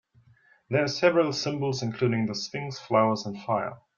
There are several symbols, including the Sphinx, flowers, and fire.